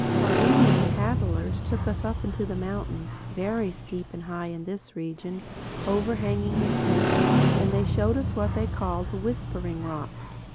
Our Indian paddlers took us up into the mountains, very steep and high in this region, overhanging the sea. And they showed us what they called the Whispering Rocks.